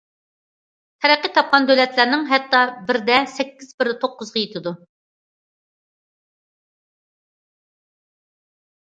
تەرەققىي تاپقان دۆلەتلەرنىڭ ھەتتا بىردە سەككىز، بىردە توققۇزغا يېتىدۇ.